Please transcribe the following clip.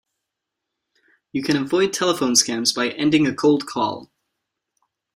You can avoid telephone scams by ending a cold call.